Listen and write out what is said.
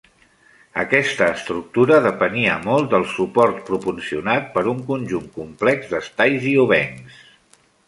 Aquesta estructura depenia molt del suport proporcionat per un conjunt complex d'estais i obencs.